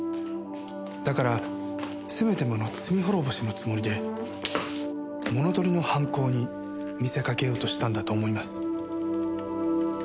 だからせめてもの罪滅ぼしのつもりで物盗りの犯行に見せかけようとしたんだと思います。